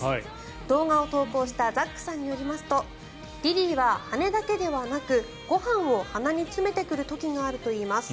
動画を投稿したザックさんによりますとリリーは、羽根だけではなくご飯を鼻に詰めてくる時があるといいます。